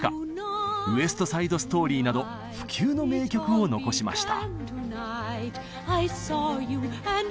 「ウエスト・サイド・ストーリー」など不朽の名曲を残しました。